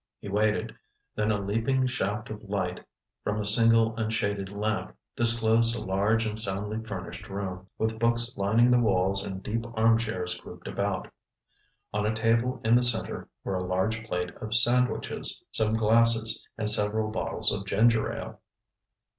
He waited; then a leaping shaft of light from a single unshaded lamp disclosed a large and soundly furnished room, with books lining the walls and deep armchairs grouped about. On a table in the center were a large plate of sandwiches, some glasses and several bottles of ginger ale.